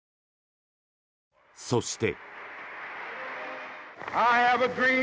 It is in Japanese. そして。